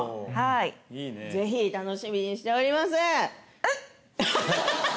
ぜひ楽しみにしております。